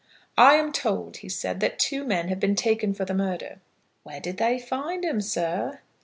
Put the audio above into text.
"I am told," he said, "that two men have been taken for the murder." "Where did they find 'em, sir?"